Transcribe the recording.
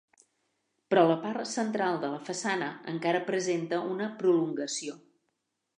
Però la part central de la façana encara presenta una prolongació.